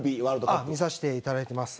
見させていただいてます。